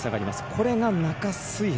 これが中水平。